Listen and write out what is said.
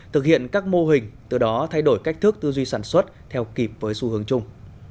thực hiện các mô hình từ đó thay đổi cách thức tư duy sản xuất theo kịp với xu hướng chung